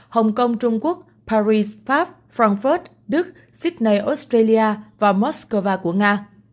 hong kong trung quốc paris pháp frankfurt đức sydney australia và moscow của nga